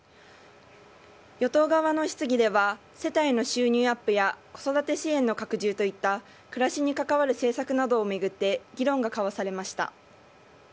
与党側の質疑では世帯の収入アップや子育て支援の拡充といった暮らしに関わる政策などを巡って議論が交わされました。